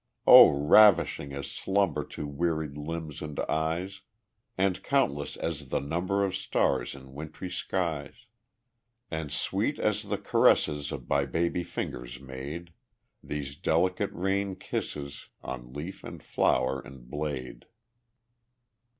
Oh, ravishing as slumber To wearied limbs and eyes, And countless as the number Of stars in wintry skies, And sweet as the caresses By baby fingers made, These delicate rain kisses On leaf and flower and blade.